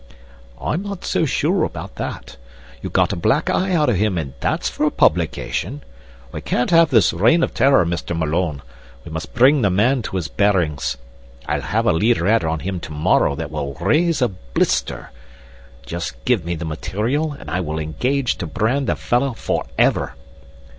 "I'm not so sure about that. You got a black eye out of him, and that's for publication. We can't have this reign of terror, Mr. Malone. We must bring the man to his bearings. I'll have a leaderette on him to morrow that will raise a blister. Just give me the material and I will engage to brand the fellow for ever.